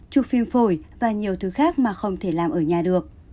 chụp phim phổi và nhiều thứ khác mà không thể làm ở nhà được